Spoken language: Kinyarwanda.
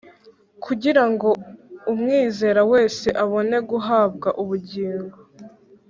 kugira ngo umwizera wese abone guhabwa ubungingo